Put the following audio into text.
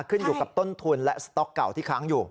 ขึ้นอยู่กับต้นทุนและสต๊อกเก่าที่ค้างอยู่